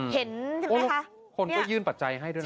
คนก็ยื่นปัจจัยให้ด้วยนะ